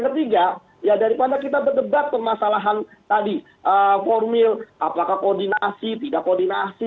ketiga ya daripada kita berdebat permasalahan tadi formil apakah koordinasi tidak koordinasi